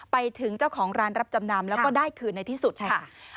ไปถึงเจ้าของร้านรับจำนำแล้วก็ได้คืนในที่สุดค่ะ